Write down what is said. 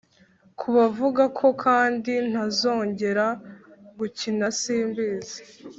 kubavuga ko kandi ntazongera gukina simbizi